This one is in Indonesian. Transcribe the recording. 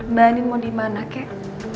mbak ani mau dimana kek